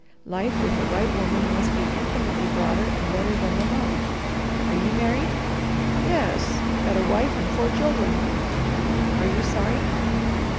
Life with the right woman must be infinitely broader and better than alone. Are you married?" "Yes. Got a wife and four children." "Are you sorry?"